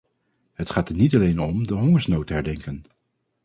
Het gaat er niet alleen om de hongersnood te herdenken.